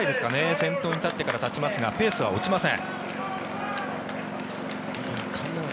先頭に立ってからたちますがペースは落ちません。